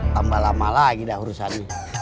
tambah lama lagi dah urusan